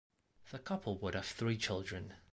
The couple would have three children.